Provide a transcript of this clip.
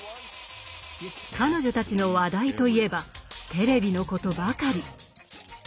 彼女たちの話題といえばテレビのことばかり。